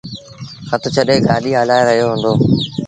هٿ ڇڏي گآڏيٚ هلآئي رهيو هُݩدو۔